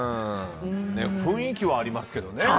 雰囲気はありますけどね